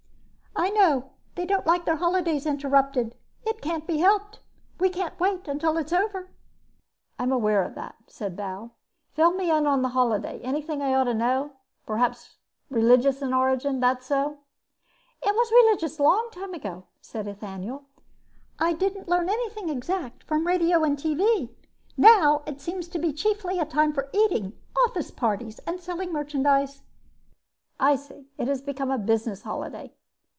"I know, they don't like their holidays interrupted. It can't be helped. We can't wait until it's over." "I'm aware of that," said Bal. "Fill me in on that holiday, anything I ought to know. Probably religious in origin. That so?" "It was religious a long time ago," said Ethaniel. "I didn't learn anything exact from radio and TV. Now it seems to be chiefly a time for eating, office parties, and selling merchandise." "I see. It has become a business holiday."